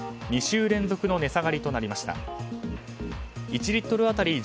２週連続の値下がりとなりました。